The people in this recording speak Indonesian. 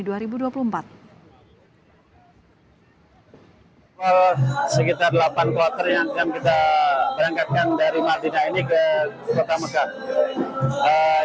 sekitar delapan kloter yang kita berangkatkan dari madinah ini ke kota mekah